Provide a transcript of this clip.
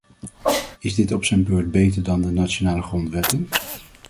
Is dit op zijn beurt beter dan de nationale grondwetten?